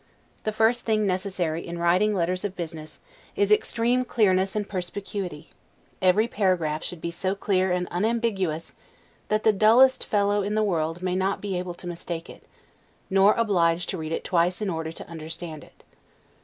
The first thing necessary in writing letters of business, is extreme clearness and perspicuity; every paragraph should be so clear and unambiguous, that the dullest fellow in the world may not be able to mistake it, nor obliged to read it twice in order to understand it.